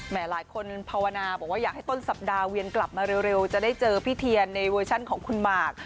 หลายคนภาวนาบอกว่าอยากให้ต้นสัปดาห์เวียนกลับมาเร็วจะได้เจอพี่เทียนในเวอร์ชั่นของคุณหมาก